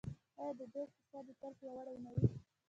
آیا د دوی اقتصاد دې تل پیاوړی نه وي؟